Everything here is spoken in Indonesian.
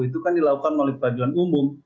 itu kan dilakukan oleh peradilan umum